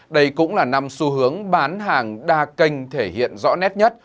đây cũng là năm xu hướng bán hàng đa kênh thể hiện rõ nét nhất